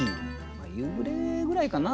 夕暮れぐらいかな？